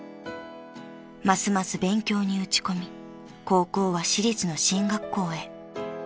［ますます勉強に打ち込み高校は私立の進学校へ］